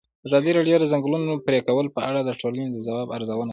ازادي راډیو د د ځنګلونو پرېکول په اړه د ټولنې د ځواب ارزونه کړې.